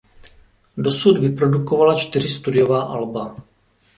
Dosud vyprodukovala čtyři studiová alba.